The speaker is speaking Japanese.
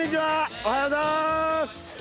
おはようございます。